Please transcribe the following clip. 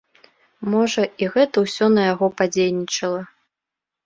Можа, і гэта ўсё на яго падзейнічала.